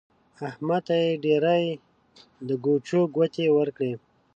احمد ته يې ډېرې د ګوچو ګوتې ورکړې.